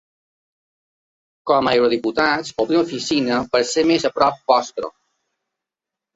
Com a eurodiputats obrim oficina per ser més a prop vostre.